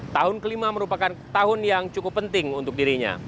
tahun kelima merupakan tahun yang cukup penting untuk dirinya